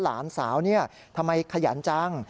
หลานสาวทำไมขยันจัง